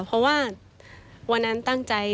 เพราะว่าวันนั้นตั้งใจ